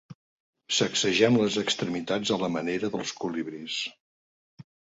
Sacsegem les extremitats a la manera dels colibrís.